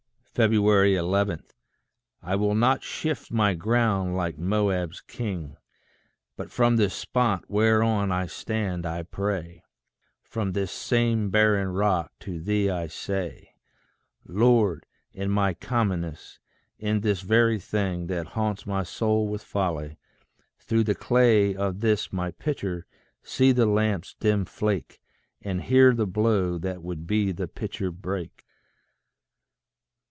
11. I will not shift my ground like Moab's king, But from this spot whereon I stand, I pray From this same barren rock to thee I say, "Lord, in my commonness, in this very thing That haunts my soul with folly through the clay Of this my pitcher, see the lamp's dim flake; And hear the blow that would the pitcher break."